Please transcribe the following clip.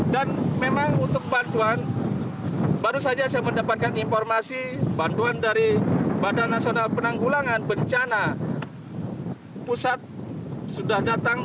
dan memang untuk bantuan baru saja saya mendapatkan informasi bantuan dari bandara nasional penanggulangan bencana pusat sudah datang